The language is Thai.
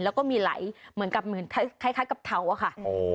แล้วก็มีไหลเหมือนคล้ายกับเถาอะค่ะ